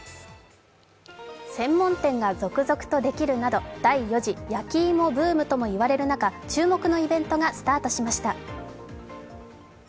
専門店が続々とできるなど、第４次焼き芋ブームと呼ばれる中、注目のイベントがスタートしました。